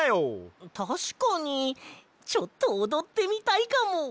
たしかにちょっとおどってみたいかも。